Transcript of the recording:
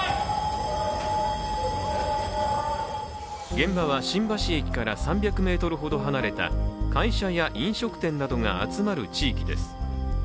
現場は新橋駅から３００ｍほど離れた会社や飲食店などが集まる地域です。